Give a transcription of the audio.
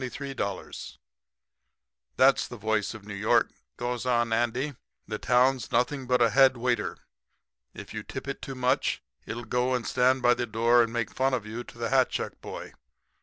$5,823 00 "'That's the voice of New York,' goes on Andy. 'The town's nothing but a head waiter. If you tip it too much it'll go and stand by the door and make fun of you to the hat check boy.